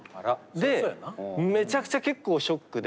でめちゃくちゃ結構ショックで。